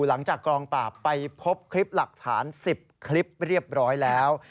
หลังจากกองปราบไปพบคลิปหลักฐาน๑๐คลิปเรียบร้อยแล้ว